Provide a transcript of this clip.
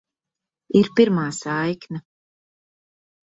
Ir pirmā saikne.